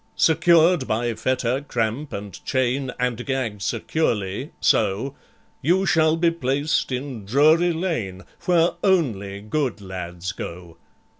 "Secured by fetter, cramp, and chain, And gagged securely—so— You shall be placed in Drury Lane, Where only good lads go.